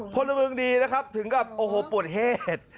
พลเมืองดีนะครับถึงกับโอ้โหปวดเหตุ